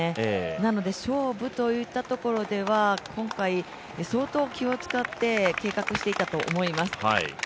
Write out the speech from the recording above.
なので勝負といったところでは今回、相当気をつかって計画していたと思います。